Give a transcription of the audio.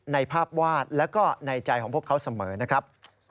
ในภาพวาดแล้วก็ในใจของพวกเขาเสมอนะครับ